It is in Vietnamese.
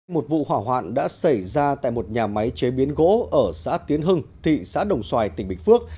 một vụ hỏa hoạn đã xảy ra tại một nhà máy chế biến gỗ ở xã tiến hưng thị xã đồng xoài tỉnh bình phước